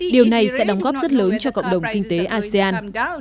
điều này sẽ đóng góp rất lớn cho cộng đồng kinh tế asean